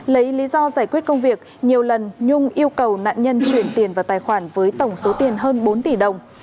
lấy lý do giải quyết công việc nhiều lần nhung yêu cầu nạn nhân chuyển tiền vào tài khoản với tổng số tiền hơn bốn tỷ đồng